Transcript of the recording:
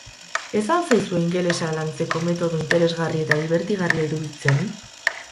Ez al zaizue ingelesa lantzeko metodo interesgarri eta dibertigarria iruditzen?